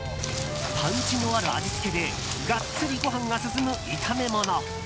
パンチのある味付けでガッツリご飯が進む炒め物。